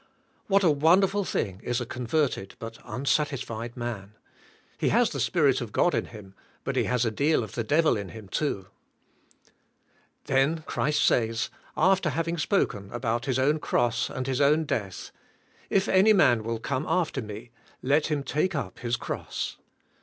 What a wonderful thing* is a con verted but unsatisfied man; he has the Spirit of God in him but he has a deal of the Devil in him, too. Then Christ says, after having spoken about Plis own cross and His own death, "If any man will come after me, let him take up his cross."